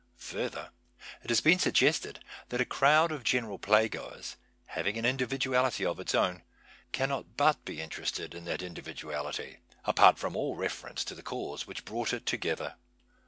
Further, it has been sug gested that a crowd of general playgoers, having an individuality of its own, cannot but be interested in that individuality, apart from all reference to the cause which brought it together.